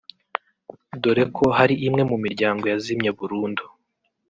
dore ko hari imwe mu miryango yazimye burundu